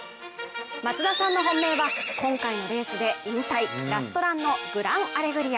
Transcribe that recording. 松田さんの本命は今回のレースで引退、ラストランのグランアレグリア。